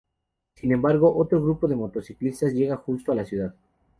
Sin embargo, otro grupo de motociclistas llega justo a la ciudad.